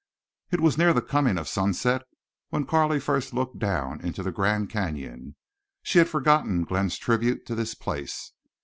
It was near the coming of sunset when Carley first looked down into the Grand Canyon. She had forgotten Glenn's tribute to this place.